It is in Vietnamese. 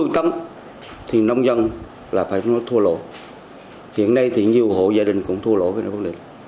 trong khi đó giá đường trước thuế tại tỉnh phú yên gặp khó khăn